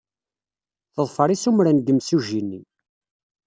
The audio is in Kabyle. Teḍfer issumren n yimsujji-nni.